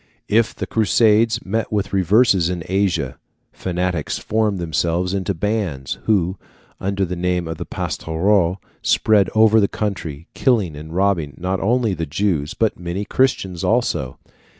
If the Crusaders met with reverses in Asia, fanatics formed themselves into bands, who, under the name of Pastoureaux, spread over the country, killing and robbing not only the Jews, but many Christians also.